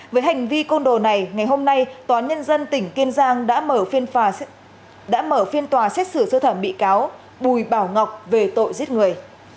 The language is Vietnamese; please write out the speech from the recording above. với hành vi côn đồ này ngày hôm nay tòa nhân dân tỉnh kiên giang đã mở phiên tòa xét xử sơ thẩm bị cáo bùi bảo ngọc về tội giết người